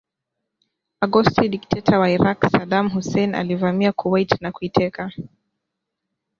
Agosti dikteta wa Irak Saddam Hussein alivamia Kuwait na kuiteka